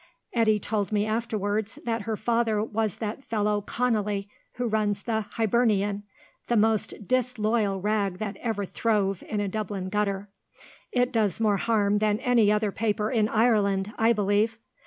Eddy told me afterwards that her father was that fellow Conolly, who runs the Hibernian the most disloyal rag that ever throve in a Dublin gutter. It does more harm than any other paper in Ireland, I believe.